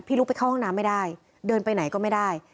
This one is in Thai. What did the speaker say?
ลุกไปเข้าห้องน้ำไม่ได้เดินไปไหนก็ไม่ได้